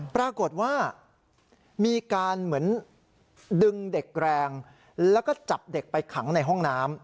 ปรากฏว่ามีการเหมือนดึงเด็กแรงแล้วก็จับเด็กไปขังในห้องน้ำ